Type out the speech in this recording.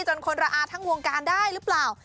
จนคนละอาทั้งวงการได้หรือเปล่า